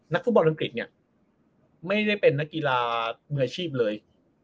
ฟุตบอลอังกฤษเนี่ยไม่ได้เป็นนักกีฬามืออาชีพเลย